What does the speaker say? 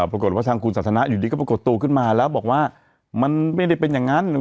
ปรากฏว่าทางคุณสันทนาอยู่ดีก็ปรากฏตัวขึ้นมาแล้วบอกว่ามันไม่ได้เป็นอย่างนั้น